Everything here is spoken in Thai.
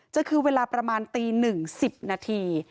จะคือเวลาประมาณตีหนึ่งสิบนาที